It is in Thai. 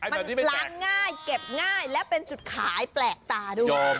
มันล้างง่ายเก็บง่ายและเป็นจุดขายแปลกตาด้วย